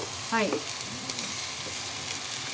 はい。